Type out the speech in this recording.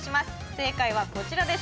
正解はこちらです